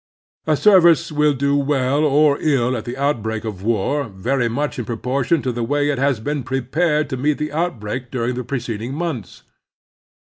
A service will do well or ill at the outbreak of war very much in pro portion to the way it has been prepared to meet the outbreak during the preceding months.